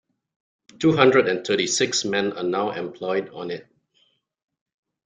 Two hundred and thirty-six men are now employed on it.